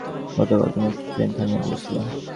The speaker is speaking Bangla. গতকাল তুমি একটা ট্রেন থামিয়ে দিয়েছিলে।